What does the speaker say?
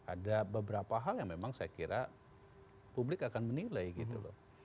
ada beberapa hal yang memang saya kira publik akan menilai gitu loh